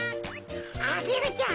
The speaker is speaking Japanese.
アゲルちゃん